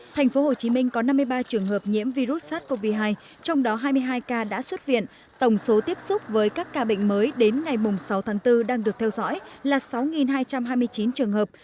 tp hcm có năm mươi ba trường hợp nhiễm virus sars cov hai trong đó hai mươi hai ca đã xuất viện tổng số tiếp xúc với các ca bệnh mới đến ngày sáu tháng bốn đang được theo dõi là sáu hai trăm hai mươi chín trường hợp